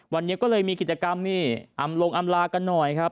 วันนี้ก็เลยมีกิจกรรมนี่อำลงอำลากันหน่อยครับ